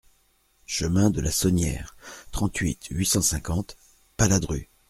Chemin de la Sonnière, trente-huit, huit cent cinquante Paladru